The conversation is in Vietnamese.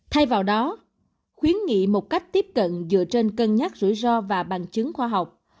thay vào đó khuyến nghị một cách tiếp cận dựa trên cân nhắc rủi ro và bằng chứng khoa học